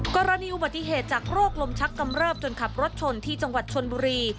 กรณีอุบัติเหตุจากโรคลมชักกำเริบจนขับรถชนที่จังหวัดชนบุรี